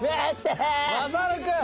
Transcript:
まさるくん！